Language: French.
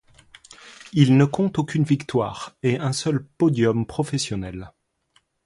Il ne compte aucune victoire, et un seul podium professionnel.